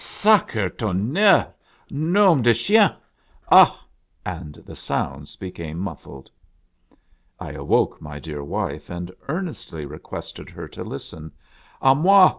" Sacre 1 tonnere ! Norn de chien ! Ah !" and the sounds became muffled. I awoke my dear wife and earnestly requested her to listen. " A moi !